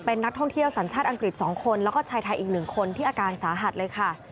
เป็นนักท่องเที่ยวสัญชาติอังกฤษ๒คนแล้วก็ชายไทยอีก๑คนที่อาการสาหัสเลยค่ะ